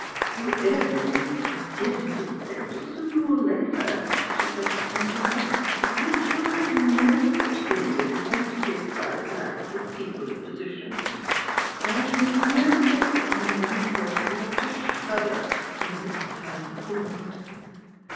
"Eveiything does get into the papers sooner or later," she said despondently. " I'm sure there's no such thing as the eanctity of private life for people of position. I shall never take up my Moj ning Post without a shudder from this time forward."